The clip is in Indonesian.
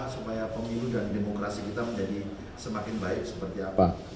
supaya pemilu dan demokrasi kita menjadi semakin baik seperti apa